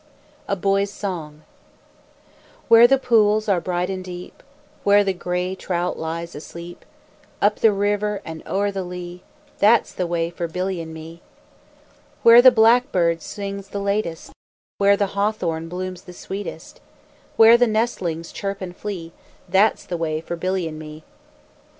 A BOY'S SONG Where the pools are bright and deep, Where the gray trout lies asleep, Up the river and o'er the lea, That's the way for Billy and me. Where the blackbird sings the latest, Where the hawthorn blooms the sweetest, Where the nestlings chirp and flee, That's the way for Billy and me.